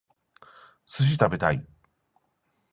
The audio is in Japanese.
寿司食べたい